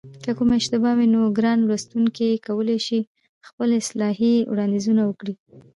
که کومه اشتباه وي نو ګران لوستونکي کولای شي خپل اصلاحي وړاندیزونه وکړي